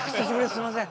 すいません。